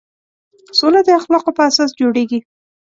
سوله د اخلاقو په اساس جوړېږي.